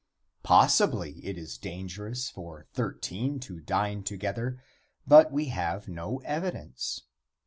Possibly it is dangerous for thirteen to dine together, but we have no evidence.